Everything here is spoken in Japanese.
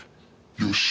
「よし。